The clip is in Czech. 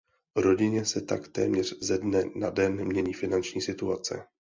Rodině se tak téměř ze dne na den mění finanční situace.